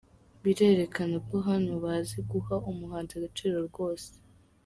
Birerekana ko hano bazi guha umuhanzi agaciro rwose”.